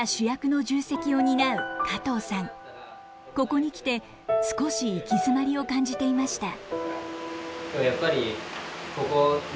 ここにきて少し行き詰まりを感じていました。